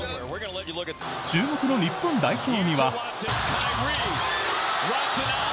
注目の日本代表には。